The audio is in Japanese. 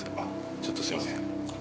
ちょっとすいません。